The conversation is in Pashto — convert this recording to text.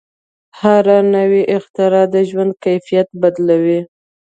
هره نوې اختراع د ژوند کیفیت بدلوي.